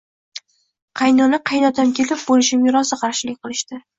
Qaynona-qaynotam kelin bo‘lishimga rosa qarshilik qilishdi